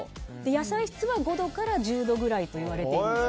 野菜室は５度から１０度ぐらいといわれているんです。